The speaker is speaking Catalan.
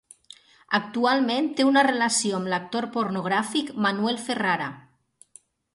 Actualment té una relació amb l'actor pornogràfic Manuel Ferrara.